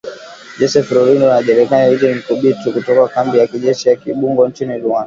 Joseph Rurindo na jenerali Eugene Nkubito, kutoka kambi ya kijeshi ya Kibungo nchini Rwanda